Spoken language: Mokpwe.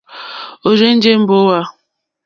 Ó rzènjé mbówà.